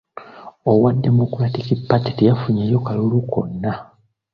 Owa Democratic Party teyafunyeewo kalulu konna.